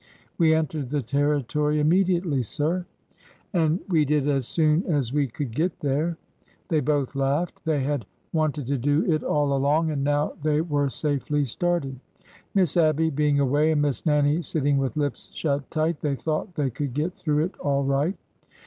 "We entered the territory immediately, sir." " And we did as soon as we could get there." They both laughed. They had wanted to do it all BORDER HISTORY 107 along, and now they were safely started. Miss Abby being away and Miss Nannie sitting with lips shut tight, they thought they could get through it all right.